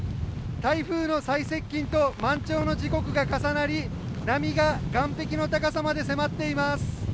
台風の最接近と満潮の時刻が重なり波が岸壁の高さまで迫っています。